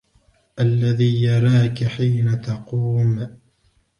الذي يراك حين تقوم